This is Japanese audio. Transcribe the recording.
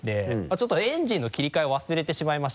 ちょっとエンジンの切り替えを忘れてしまいまして。